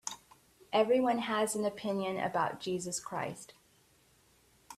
Everyone has an opinion about Jesus Christ.